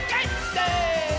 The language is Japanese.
せの！